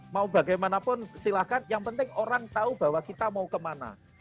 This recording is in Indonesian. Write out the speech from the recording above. mau bagaimanapun silahkan yang penting orang tahu bahwa kita mau kemana